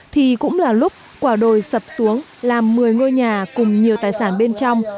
thì cũng là lúc quả đồi sập xuống làm một mươi ngôi nhà cùng nhiều tài sản bên trong